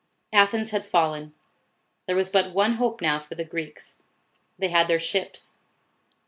Athens had fallen. There was but one hope now for the Greeks, They had their ships.